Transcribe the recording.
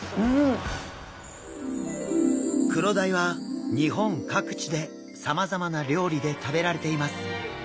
クロダイは日本各地でさまざまな料理で食べられています。